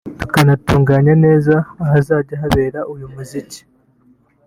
tukanatunganya neza ahazajya habera uyu muziki